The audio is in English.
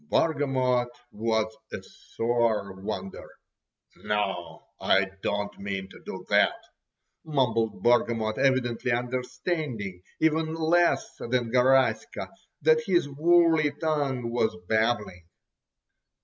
Bargamot was a sore wonder! "No, I don't mean to do that," mumbled Bargamot, evidently understanding, even less than Garaska, what his woolly tongue was babbling.